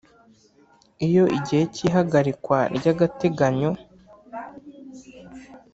Iyo igihe cy ihagarikwa ry agateganyo